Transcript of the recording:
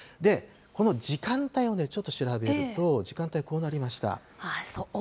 この時間帯をちょっと調べると、多いと思ってました。